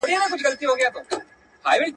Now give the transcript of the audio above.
د معلوماتو ازادي باید د ملي امنیت په زیان نه وي.